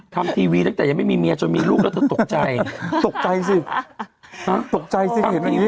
ทำทีวีตั้งแต่ยังไม่มีเมียจนมีลูกแล้วเธอตกใจตกใจสิตกใจสิเห็นไหม